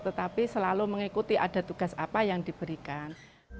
tetapi selalu mengikuti ada tugas apa yang diberikan